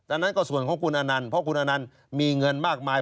อันนั้นก็ส่วนของคุณอนันต์เพราะคุณอนันต์มีเงินมากมาย